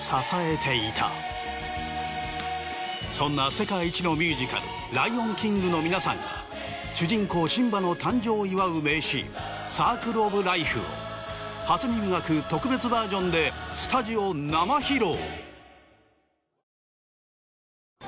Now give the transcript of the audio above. そんな世界一のミュージカル『ライオンキング』の皆さんが主人公シンバの誕生を祝う名シーンサークル・オブ・ライフを『初耳学』特別バージョンでスタジオ生披露！